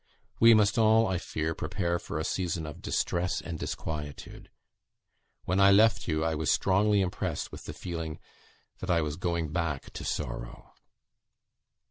We must all, I fear, prepare for a season of distress and disquietude. When I left you, I was strongly impressed with the feeling that I was going back to sorrow."